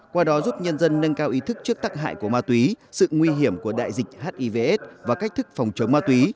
qua đó giúp nhân dân nâng cao ý thức trước tác hại của ma túy sự nguy hiểm của đại dịch hivs và cách thức phòng chống ma túy